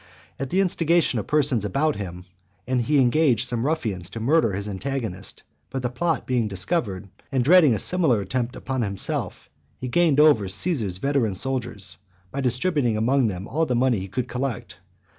At the instigation of persons about him, he engaged some ruffians to murder his antagonist; but the plot being discovered, and dreading a similar attempt upon himself, he gained over Caesar's veteran soldiers, by distributing among them all the money he could collect.